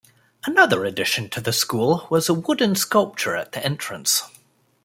Another addition to the school was a wooden sculpture at the entrance.